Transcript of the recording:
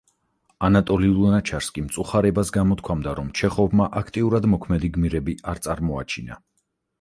ანატოლი ლუნაჩარსკი მწუხარებას გამოთქვამდა, რომ ჩეხოვმა აქტიურად მოქმედი გმირები არ წარმოაჩინა.